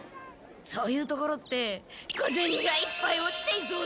そういうところって小ゼニがいっぱい落ちていそうだから！